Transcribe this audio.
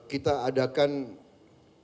dan kita adakan perangai